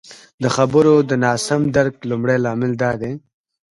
د خبرو د ناسم درک لمړی لامل دادی